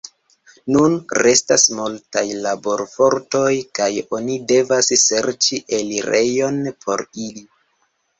Nun restas multaj laborfortoj kaj oni devas serĉi elirejon por ili.